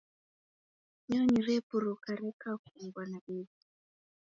Nyonyi repuruka renda kumbwa na igho.